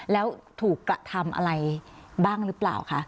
แล้วถูกกระทำอะไรบ้างหรือเปล่าคะ